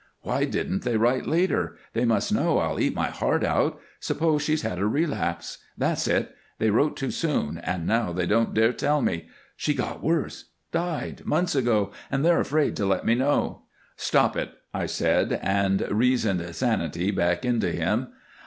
"Why didn't they write later? They must know I'll eat my heart out. Suppose she's had a relapse. That's it. They wrote too soon, and now they don't dare tell me. She got worse died months ago, and they're afraid to let me know." "Stop it," I said, and reasoned sanity back into him.